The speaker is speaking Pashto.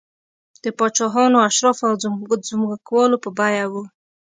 د پاچاهانو، اشرافو او ځمکوالو په بیه و